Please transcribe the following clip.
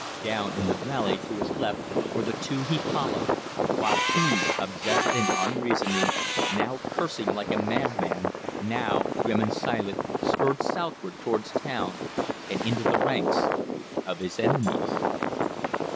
Down in the valley to his left were the two he followed, while he, obsessed and unreasoning, now cursing like a madman, now grim and silent, spurred southward towards town and into the ranks of his enemies.